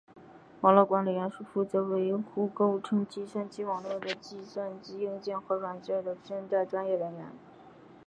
网络管理员是负责维护构成计算机网络的计算机硬件和软件的现代专业人员。